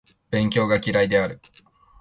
勉強が嫌いである